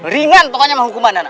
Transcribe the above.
ringan pokoknya mah hukuman anak